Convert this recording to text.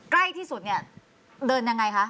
ใกล้ที่สุดเนี่ยเดินยังไงคะ